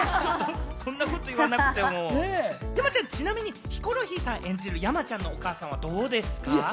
そんなこと言わなくても、山ちゃん、ちなみにヒコロヒーさん演じる山ちゃんのお母さんはどうですか？